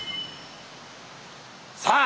さあ